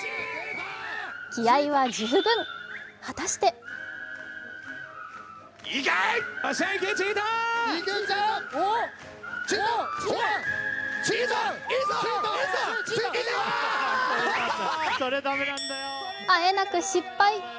気合いは十分、果たしてあえなく失敗。